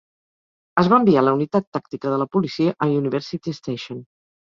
Es va enviar la unitat tàctica de la policia a University Station.